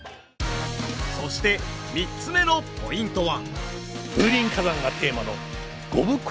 そして３つ目のポイントは。